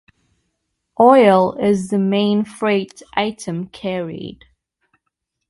Oil is the main freight item carried.